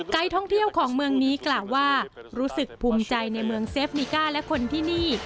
ท่องเที่ยวของเมืองนี้กล่าวว่ารู้สึกภูมิใจในเมืองเซฟมิก้าและคนที่นี่